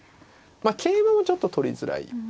桂馬もちょっと取りづらいですかね。